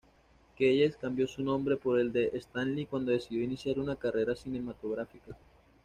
Keyes cambió su nombre por el de Stanley cuando decidió iniciar una carrera cinematográfica.